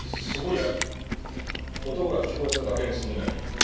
いや音が聞こえただけにすぎない。